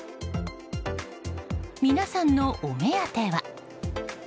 皆さんのお目当ては。